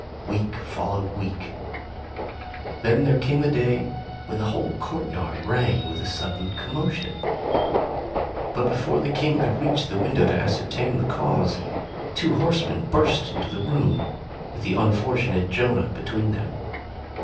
Week followed week. Then there came a day when the whole courtyard rang with a sudden commotion. But before the King could reach the window to ascertain the cause, two horsemen burst into the room, with the unfortunate Jonah between them.